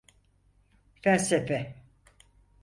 Felsefe.